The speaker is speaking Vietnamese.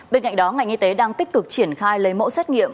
bên cạnh đó ngành y tế đang tích cực triển khai lấy mẫu xét nghiệm